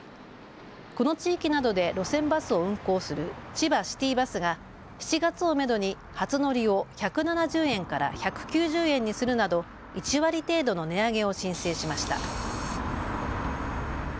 この地域などで路線バスを運行するちばシティバスが７月をめどに初乗りを１７０円から１９０円にするなど１割程度の値上げを申請しました。